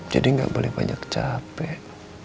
jadi nggak boleh banyak capek